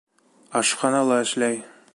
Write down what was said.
Ашханала эшләй.